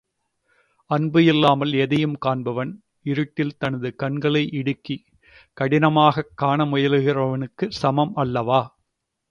அன்பு இல்லாமல் எதையும் காண்பவன் இருட்டில் தனது கண்களை இடுக்கிக் கஷ்டப்பட்டுக் காண முயலுகிறவனுக்குச் சமம் அல்லவா?